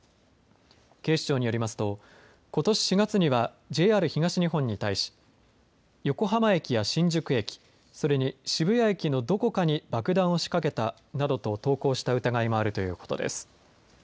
警視庁によりますとことし４月にはＪＲ東日本に対し横浜駅や新宿駅、それに渋谷駅のどこかに爆弾を仕掛けたなどと投稿した疑いもあるということです。